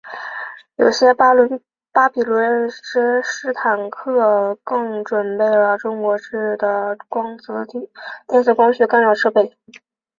有些巴比伦之狮坦克更装备了中国制的电子光学干扰设备。